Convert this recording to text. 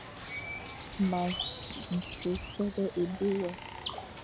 M a nsu sobe ebe we,